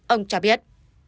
ông cho biết